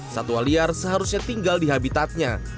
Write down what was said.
satwa liar seharusnya tinggal di habitatnya